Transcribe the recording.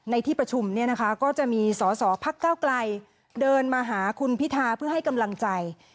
ในที่ประชุมก็จะมีสอพักก้าวไกลเดินมาหาคุณพิธาเพื่อให้กำลังใจ